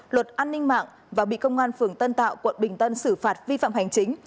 luật an ninh mạng và bị công an phường tân tạo quận bình tân xử phạt vi phạm hành chính